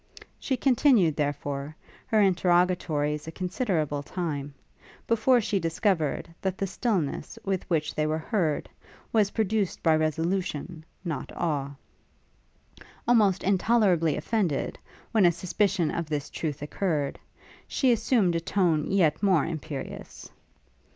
She continued, therefore, her interrogatories a considerable time, before she discovered, that the stillness with which they were heard was produced by resolution, not awe. Almost intolerably offended when a suspicion of this truth occurred, she assumed a tone yet more imperious.